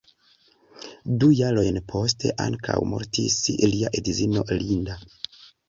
Du jarojn poste ankaŭ mortis lia edzino Linda.